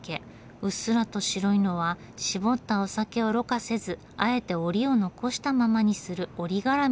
うっすらと白いのは搾ったお酒をろ過せずあえておりを残したままにするおりがらみだから。